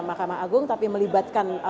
mahkamah agung tapi melibatkan